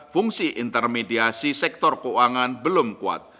fungsi intermediasi sektor keuangan belum kuat